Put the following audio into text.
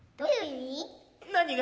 何が？